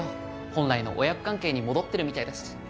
本来の母娘関係に戻ってるみたいだし。